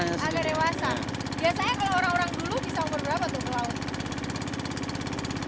biasanya kalau orang orang dulu bisa berapa tuh melaut